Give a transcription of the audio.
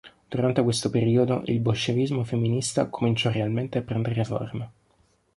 Durante questo periodo il bolscevismo femminista cominciò realmente a prendere forma.